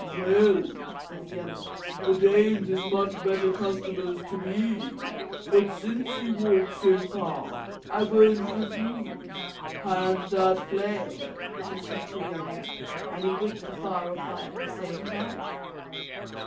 "Well," says the other, "the Danes is much better customers to me; but since you walked so far I won't refuse. Hand that flail," says he to a young imp; and he winked the far off eye at the same time.